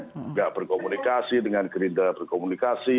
tidak berkomunikasi dengan gerinda berkomunikasi